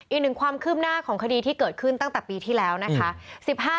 อีกหนึ่งความคืบหน้าของคดีที่เกิดขึ้นตั้งแต่ปีที่แล้วนะคะ